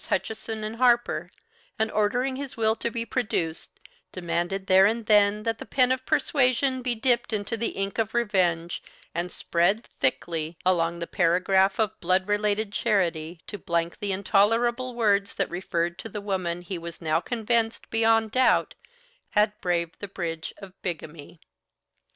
Hutchinson & Harper, and ordering his will to be produced, demanded there and then that the pen of persuasion be dipped into the ink of revenge and spread thickly along the paragraph of blood related charity to blank the intolerable words that referred to the woman he was now convinced, beyond doubt, had braved the bridge of bigamy.